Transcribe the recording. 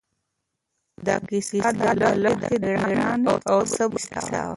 دا کیسه د لښتې د مېړانې او صبر کیسه وه.